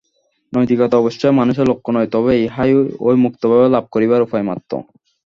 নৈতিকতা অবশ্য মানুষের লক্ষ্য নয়, তবে ইহাই ঐ মুক্তভাব লাভ করিবার উপায় মাত্র।